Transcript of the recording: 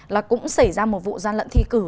là cũng xảy ra một vụ gian lận thi cử